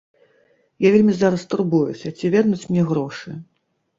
Я вельмі зараз турбуюся, ці вернуць мне грошы.